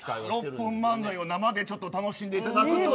６分漫才を生で楽しんでいただく。